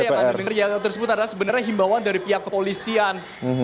ya suara yang terdengar yel yel tersebut adalah sebenarnya himbawan dari pihak kepolisian